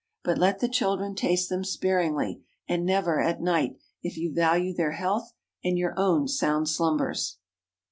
But let the children taste them sparingly, and never at night, if you value their health and your own sound slumbers.